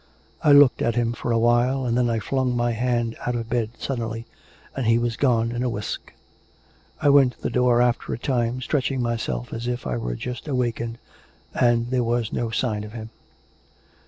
I looked at him for a while, and then I flung my hand out of bed suddenly, and he was gone in a whisk. I went to the door after a time, stretching my self as if I were just awakened, and there was no sign of him.